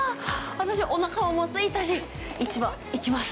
私、おなかもすいたし、市場、行きます。